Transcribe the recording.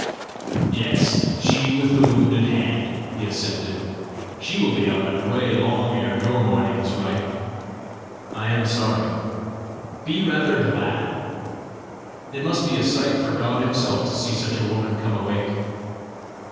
"Yes she with the wounded hand," he assented; " she will be up and away long ere your morning is ripe." "I am sorry." "Rather be glad." "It must be a sight for God Himself to see such a woman come awake!"